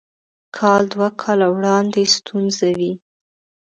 کال دوه کاله وړاندې ستونزې وې.